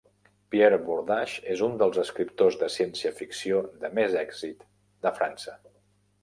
Pierre Bordage és un dels escriptors de ciència ficció de més èxit de França.